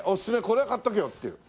「これは買っておけよ」っていう。